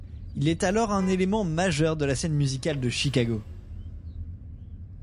Il est alors un élément majeur de la scène musicale de Chicago.